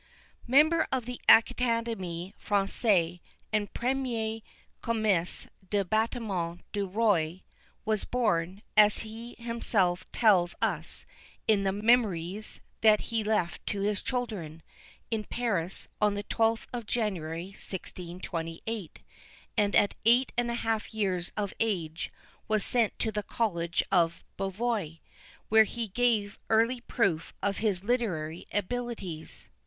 Member of the Académie Française, and premier commis des batimens du Roi, was born, as he himself tells us in the Mémoires he left to his children, in Paris, on the 12th of January, 1628; and at eight and a half years of age was sent to the College of Beauvais, where he gave early proof of his literary abilities.